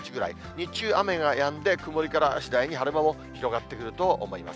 日中、雨がやんで曇りから次第に晴れ間も広がってくると思います。